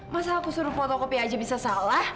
masa aku suruh fotokopi aja bisa salah